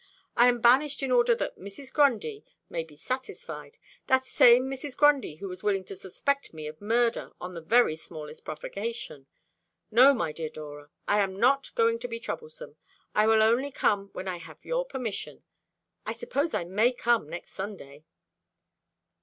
I am banished in order that Mrs. Grundy may be satisfied that same Mrs. Grundy who was willing to suspect me of murder on the very smallest provocation. No, my dear Dora, I am not going to be troublesome. I will only come when I have your permission. I suppose I may come next Sunday?"